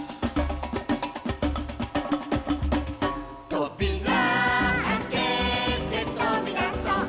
「とびらあけてとびだそう」